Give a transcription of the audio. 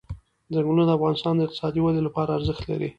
ځنګلونه د افغانستان د اقتصادي ودې لپاره ارزښت لري.